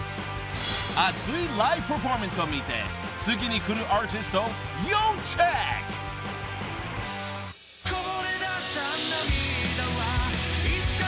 ［熱いライブパフォーマンスを見て次にくるアーティストを要チェック］